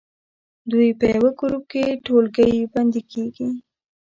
دوی په یوه ګروپ کې ټولګی بندي کیږي.